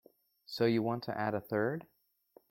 So you want to add a third?